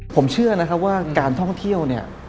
ผมเชื่อนะครับว่าการท่องเที่ยวเนี่ย